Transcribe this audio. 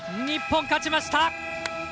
日本、勝ちました！